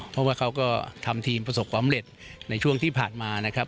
เพราะว่าเขาก็ทำทีมประสบความเร็จในช่วงที่ผ่านมานะครับ